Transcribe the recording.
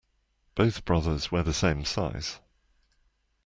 Both brothers wear the same size.